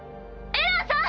エランさん！